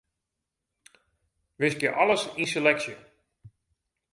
Wiskje alles yn seleksje.